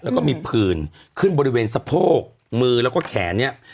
แล้วก็มีผื่นขึ้นบริเวณสะโพกมือแล้วก็แขนเนี่ย